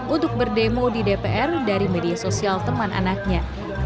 untuk berdemo di dpr dari media sosial teman anaknya